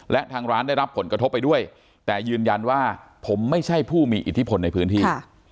และทางร้านได้รับผลกระทบไปด้วยแต่ยืนยันว่าผมไม่ใช่ผู้มีอิทธิพลในพื้นที่